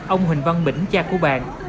ông huỳnh văn bỉnh cha của bạn